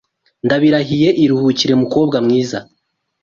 ndabirahiye iruhukire mukobwa mwiza